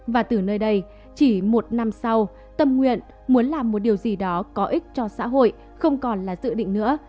và từ nơi đây chỉ một năm sau tâm nguyện muốn làm một điều gì đó có ích cho xã hội không còn là dự định nữa